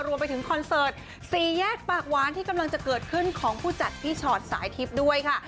คอนเสิร์ตสี่แยกปากหวานที่กำลังจะเกิดขึ้นของผู้จัดพี่ชอตสายทิพย์ด้วยค่ะ